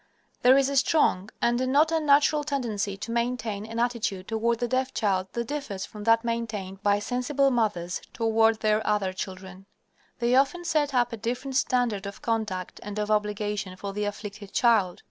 There is a strong, and a not unnatural tendency to maintain an attitude toward the deaf child that differs from that maintained by sensible mothers toward their other children. They often set up a different standard of conduct and of obligation for the afflicted child.